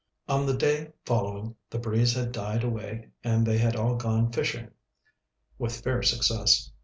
On the day following the breeze had died away and they had all gone fishing, with fair success.